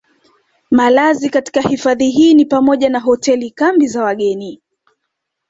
Malazi katika Hifadhi hii ni pamoja na Hotel kambi za wageni